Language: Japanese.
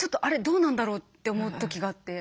どうなんだろうって思う時があって。